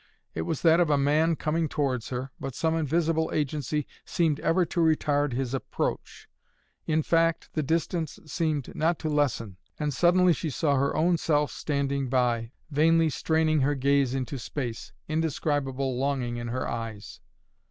It was that of a man coming towards her, but some invisible agency seemed ever to retard his approach. In fact the distance seemed not to lessen, and suddenly she saw her own self standing by, vainly straining her gaze into space, indescribable longing in her eyes.